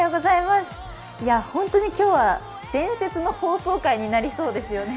本当に今日は伝説の放送回になりそうですよね。